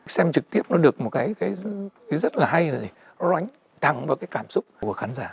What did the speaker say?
xem trực tiếp nó được một cái rất là hay nó đánh tăng vào cái cảm xúc của khán giả